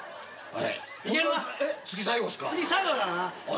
はい。